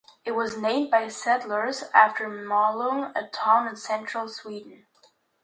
It was named by settlers after Malung, a town in central Sweden.